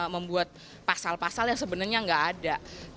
membuat pasal pasal yang sebenarnya nggak ada